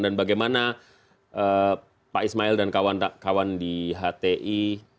dan bagaimana pak ismail dan kawan di hti